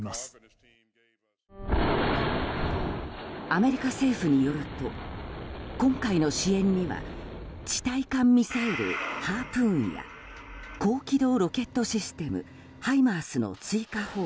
アメリカ政府によると今回の支援には地対艦ミサイル、ハープーンや高機動ロケットシステムハイマースの追加砲